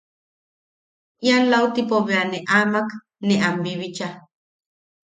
Ian lautipo bea ne amak ne am bibicha.